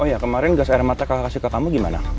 oh ya kemarin gas air mata kasih ke kamu gimana